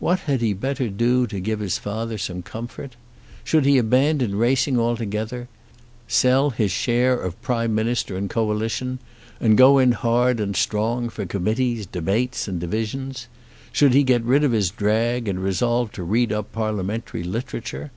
What had he better do to give his father some comfort? Should he abandon racing altogether, sell his share of Prime Minister and Coalition, and go in hard and strong for committees, debates, and divisions? Should he get rid of his drag, and resolve to read up parliamentary literature?